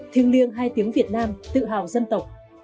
thương liêng hai tiếng việt nam tự hào